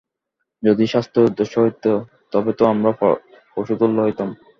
যদি স্বাস্থ্যই উদ্দেশ্য হইতে, তবে তো আমরা পশুতুল্য হইতাম।